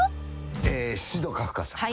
シシド・カフカさん。